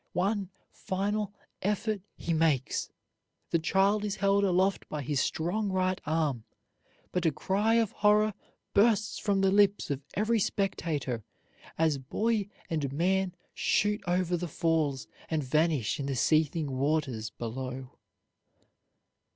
One final effort he makes; the child is held aloft by his strong right arm; but a cry of horror bursts from the lips of every spectator as boy and man shoot over the falls and vanish in the seething waters below.